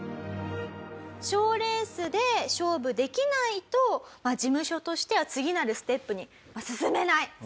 賞レースで勝負できないと事務所としては次なるステップに進めない。